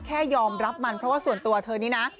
แค่ยอมรับมันเพราะว่าส่วนตัวเธอนี้นะ